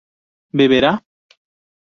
¿beberá?